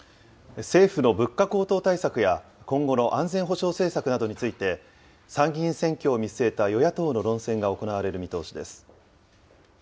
政府の物価高騰対策や、今後の安全保障政策などについて、参議院選挙を見据えた与野党の論戦が行われる見通しです。